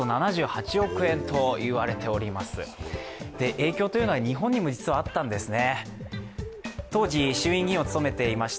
影響というのは日本にも実はあったんですね。